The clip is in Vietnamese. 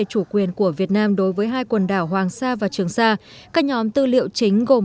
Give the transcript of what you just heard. chủ quyền của việt nam đối với hai quần đảo hoàng sa và trường sa các nhóm tư liệu chính gồm